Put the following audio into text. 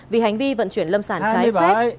vì hành vi vận chuyển lâm sản trái phép